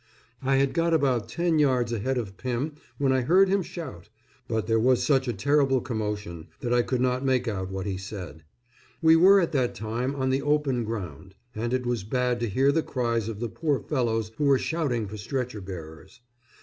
I had got about ten yards ahead of Pymm, when I heard him shout; but there was such a terrible commotion that I could not make out what he said. We were at that time on the open ground, and it was bad to hear the cries of the poor fellows who were shouting for stretcher bearers.